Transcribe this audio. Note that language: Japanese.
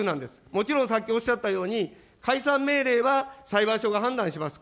もちろんさっきおっしゃったように、解散命令は裁判所が判断します。